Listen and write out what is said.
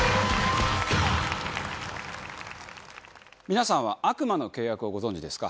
皆さんは悪魔の契約をご存じですか？